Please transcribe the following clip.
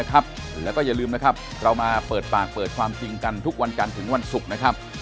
ขอบคุณครับสวัสดีครับ